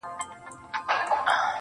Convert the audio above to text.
چي ستا تر تورو غټو سترگو اوښكي وڅڅيږي.